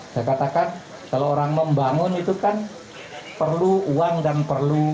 saya katakan kalau orang membangun itu kan perlu uang dan perlu